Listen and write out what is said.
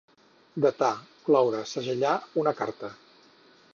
Datar, cloure, segellar, una carta.